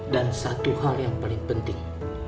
dan satu hal yang paling penting